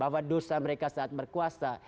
bahwa dosa mereka saat berkuasa